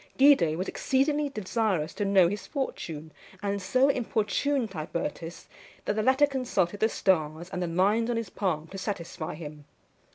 Guido was exceedingly desirous to know his fortune, and so importuned Tibertus, that the latter consulted the stars and the lines on his palm to satisfy him.